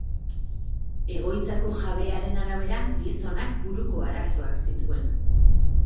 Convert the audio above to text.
Egoitzako jabearen arabera, gizonak buruko arazoak zituen.